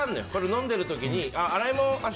飲んでいる時に洗い物明日